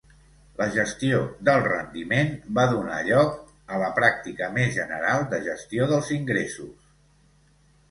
La gestió del rendiment va donar lloc a la pràctica més general de gestió dels ingressos.